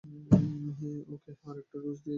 ওকে আরেকটা ডোজ দিয়ে দিচ্ছি।